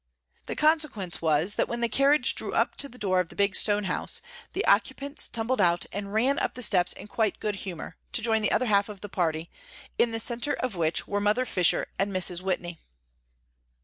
The consequence was that when the carriage drew up to the door of the big stone house, the occupants tumbled out and ran up the steps in quite good humor, to join the other half of the party, in the centre of which were Mother Fisher and Mrs. Whitney.